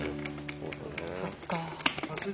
そっか。